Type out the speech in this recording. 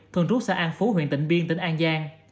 thường rút xã an phú huyện tỉnh biên tỉnh an giang